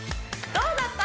どうだった？